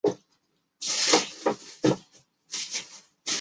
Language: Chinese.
碧螺虾仁是中国苏州苏帮菜的著名传统菜式。